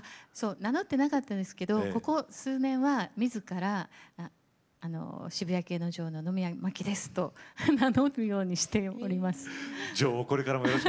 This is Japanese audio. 名乗ってなかったんですがここ数年は、みずから渋谷系の女王の野宮真貴ですと名乗るようにしています。